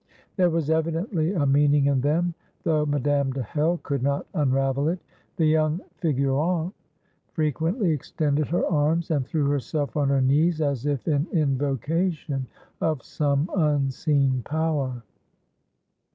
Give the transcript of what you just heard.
There was evidently a meaning in them, though Madame de Hell could not unravel it. The young figurante frequently extended her arms and threw herself on her knees, as if in invocation of some unseen power.